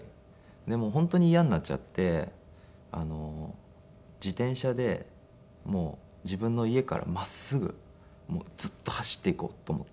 でもう本当に嫌になっちゃって自転車で自分の家から真っすぐずっと走っていこうと思って。